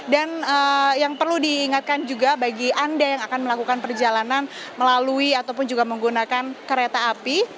dan yang perlu diingatkan juga bagi anda yang akan melakukan perjalanan melalui ataupun juga menggunakan kereta api